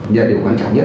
nhà điều quan trọng nhất